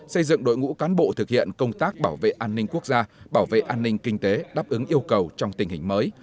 xây dựng đội ngũ cán bộ thực hiện công tác bảo vệ an ninh quốc gia bảo vệ an ninh kinh tế đáp ứng yêu cầu trong tình hình mới